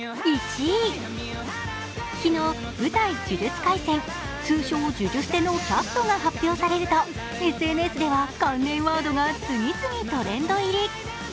昨日舞台「呪術廻戦」、通称じゅじゅステのキャストが発表されるとＳＮＳでは関連ワードが次々トレンド入り。